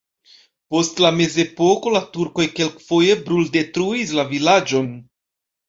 Post la mezepoko la turkoj kelkfoje bruldetruis la vilaĝon.